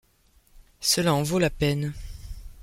Cela en vaut la peine. ..